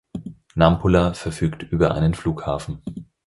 Nampula verfügt über einen Flughafen.